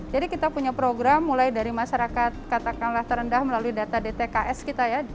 jadi kita punya program mulai dari masyarakat katakanlah terendah melalui data dtks kita ya